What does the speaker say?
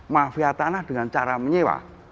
mafia tanah dengan cara menyewa